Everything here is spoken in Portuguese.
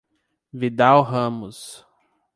Vidal Ramos